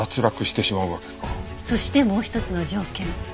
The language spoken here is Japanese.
そしてもう一つの条件。